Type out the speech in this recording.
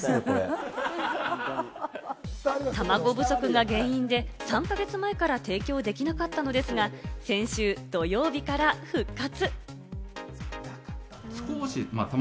たまご不足が原因で３か月前から提供できなかったのですが、先週土曜日から復活。